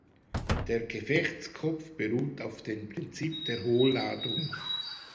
Der Gefechtskopf beruht auf dem Prinzip der Hohlladung.